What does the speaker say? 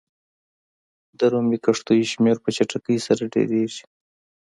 د رومي کښتیو شمېر په چټکۍ سره ډېرېږي.